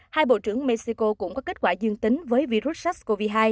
hai bộ trưởng mexico cũng có kết quả dương tính với virus sars cov hai